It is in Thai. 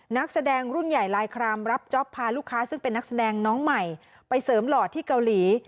นักแสดงรุ่นใหญ่ลายครามรับจ๊อปพาลูกค้าซึ่งเป็นนักแสดงน้องใหม่ไปเสริมหล่อที่เกาหลี